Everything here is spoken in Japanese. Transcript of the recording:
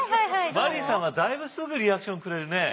マリーさんはだいぶすぐリアクションくれるね。